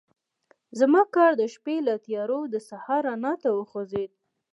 زما کار د شپې له تیارو د سهار رڼا ته وغځېد.